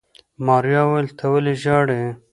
ماريا وويل ته ولې ژاړې.